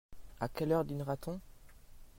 À quelle heure dînera-t-on ?